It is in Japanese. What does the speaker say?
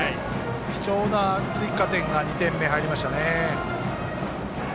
貴重な追加点が２点目、入りましたね。